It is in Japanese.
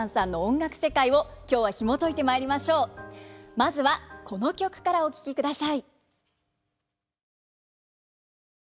まずはこの曲からお聴きください。